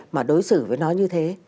mà đối xử với nó như thế